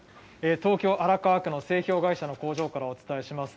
東京・荒川区の製氷会社の工場からお伝えします。